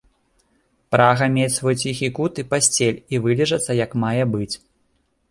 Прага мець свой ціхі кут і пасцель і вылежацца як мае быць.